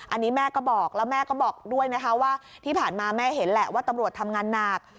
อันนี้แม่ก็บอกแล้วแม่ก็บอกด้วยนะคะว่าที่ผ่านมาแม่เห็นแหละว่าตำรวจทำงานหนัก